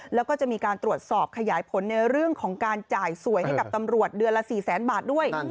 แล้วก็จะมีการตรวจสอบขยายผลในเรื่องของการจ่ายสวยให้กับตำรวจเดือนละ๔๐๐๐บาทด้วย